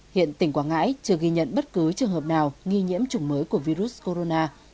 hiện tỉnh quảng ngãi chưa ghi nhận bất cứ trường hợp nào nghi nhiễm chủng mới của virus corona